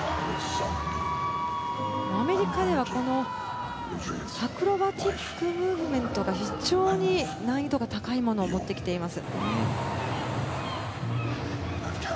アメリカでは、このアクロバティックムーブメントが非常に難易度が高いものを持ってきています。